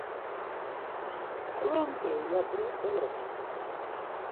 ǩrunt̆i! ya do doloşu.